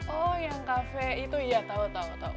oh yang kafe itu iya tau tau